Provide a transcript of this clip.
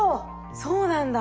そうなんだ。